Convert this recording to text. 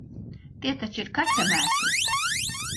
Tie taču ir kaķa mēsli!